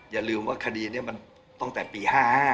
อย่าลืมว่าคดีนี้มันตั้งแต่ปี๕๕